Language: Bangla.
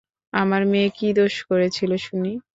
আমার মেয়ে কী দোষ করেছিল শুনি?